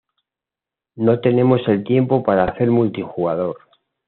No tenemos el tiempo para hacer multijugador.